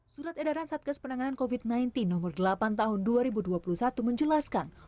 surat edaran satgas penanganan covid sembilan belas nomor delapan tahun dua ribu dua puluh satu menjelaskan